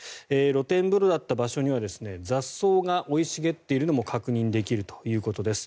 露天風呂だった場所には雑草が生い茂ってるのも確認できるということです。